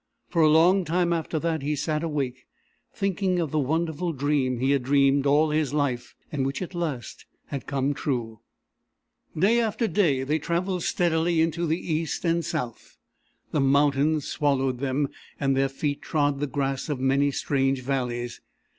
For a long time after that he sat awake, thinking of the wonderful dream he had dreamed all his life, and which at last had come true. Day after day they travelled steadily into the east and south. The mountains swallowed them, and their feet trod the grass of many strange valleys.